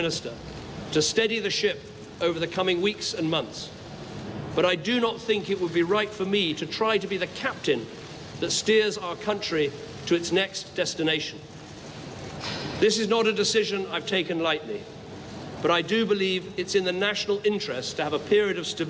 นั้นก็เป็นคำปรบที่ต้องรับบัญชาที่ต่อมา